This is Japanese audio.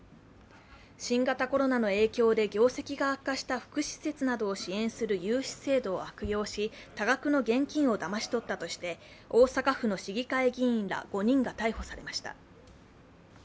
新型コロナの影響で業績が悪化した福祉施設などを支援する融資制度を悪用し、多額の現金をだまし取ったとして大阪府の市議会議員ら５人が逮捕されました。